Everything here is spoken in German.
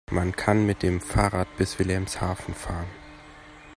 Man kann mit dem Fahrrad bis Wilhelmshaven fahren